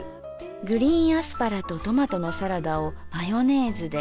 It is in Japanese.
グリーンアスパラとトマトのサラダをマヨネーズで。